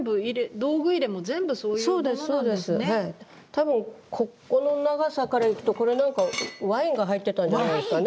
多分ここの長さからいくとこれなんかワインが入ってたんじゃないですかね。